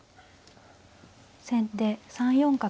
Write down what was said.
先手３四角。